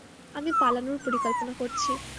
আমি পালানোর পরিকল্পনা করছি।